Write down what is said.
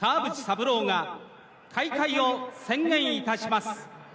三郎が開会を宣言いたします